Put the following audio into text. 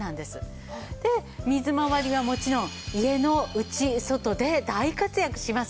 水まわりはもちろん家の内外で大活躍します。